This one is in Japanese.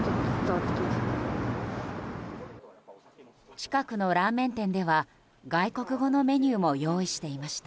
近くのラーメン店では外国語のメニューも用意していました。